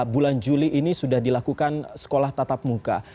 bulan juli ini sudah dilakukan sekolah tatap muka